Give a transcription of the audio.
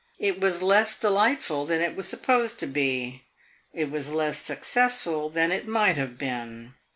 It was less delightful than it was supposed to be; it was less successful than it might have been.